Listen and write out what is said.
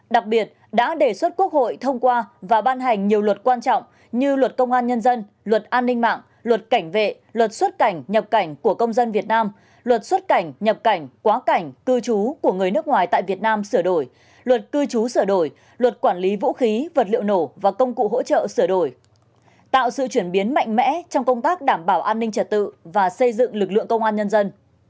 đặc biệt đã đề xuất quốc hội thông qua và ban hành nhiều luật quan trọng như luật công an nhân dân luật an ninh mạng luật cảnh vệ luật xuất cảnh nhập cảnh của công dân việt nam luật xuất cảnh nhập cảnh quá cảnh cư trú của người nước ngoài tại việt nam sửa đổi luật cư trú sửa đổi luật quản lý vũ khí vật liệu nổ và công cụ hỗ trợ sửa đổi tạo sự chuyển biến mạnh mẽ trong công tác đảm bảo an ninh trật tự và xây dựng lực lượng công an nhân dân